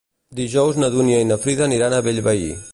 Dijous na Dúnia i na Frida aniran a Bellvei.